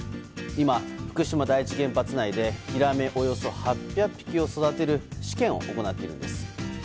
今、福島第一原発内でヒラメおよそ８００匹を育てる試験を行っているんです。